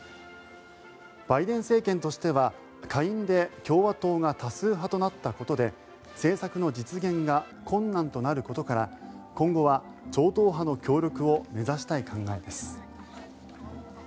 バイデン政権としては下院で共和党が多数派となったことで政策の実現が困難となることから今後は超党派の協力を目指したい考えです。